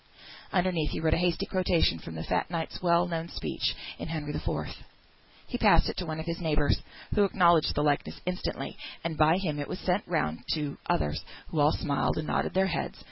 Underneath he wrote a hasty quotation from the fat knight's well known speech in Henry IV. He passed it to one of his neighbours, who acknowledged the likeness instantly, and by him it was sent round to others, who all smiled and nodded their heads.